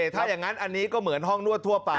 ถ้าอย่างนั้นอันนี้ก็เหมือนห้องนวดทั่วไป